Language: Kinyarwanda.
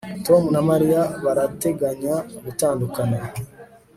tom na mariya barateganya gutandukana